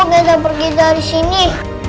gak usah pergi dari sini